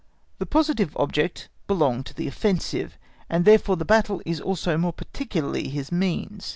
The positive object belong to the offensive, and therefore the battle is also more particularly his means.